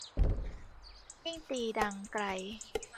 ยิ่งตีดังไกล